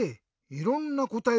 いろんなこたえ？